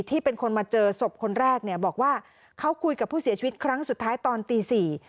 ที่เป็นคนมาเจอศพคนแรกเนี่ยบอกว่าเขาคุยกับผู้เสียชีวิตครั้งสุดท้ายตอนตีสี่